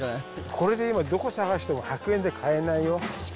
これで今、どこ探しても１００円で買えないよ。